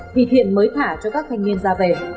thì thiện mới thả cho các thanh niên ra về